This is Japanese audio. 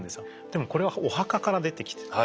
でもこれはお墓から出てきてる。